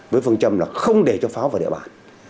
với phương châm là không để cho pháo vào địa bàn